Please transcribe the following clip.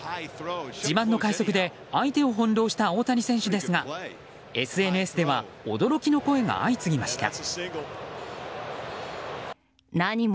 自慢の快足で相手を翻弄した大谷選手ですがＳＮＳでは驚きの声が相次ぎました。